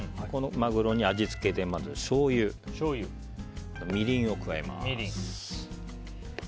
このマグロに味付けでまず、しょうゆとみりんを加えます。